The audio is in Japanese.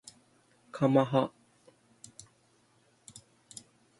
かまは